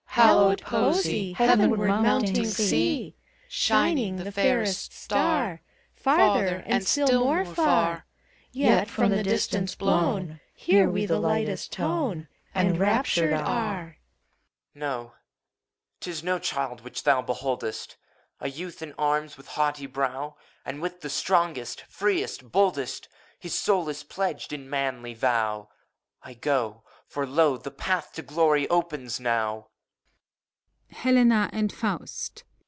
CHORUS. Hallowed Poesy, Heavenward mounting, see! Shining, the fairest star. Farther, and still more far! Yet, from the distance blown, Hear we the lightest tone. And raptured are. 1;PPH0RI0N. No, 't is no child which thou beholdest — A youth in arms, with haughty brow! And with the Strongest, Freest, Boldest, His soul is pledged, in manly vow. ACT in, 181 I got For, lo! The path to Glory opens now.